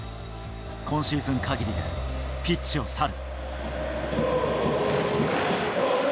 今シーズンかぎりでピッチを去る。